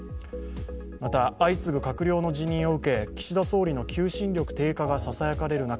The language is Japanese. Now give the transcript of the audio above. また、相次ぐ閣僚の辞任を受け岸田総理の求心力低下が指摘される中、